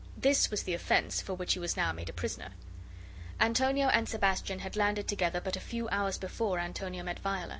This was the offense for which he was now made a prisoner. Antonio and Sebastian had landed together but a few hours before Antonio met Viola.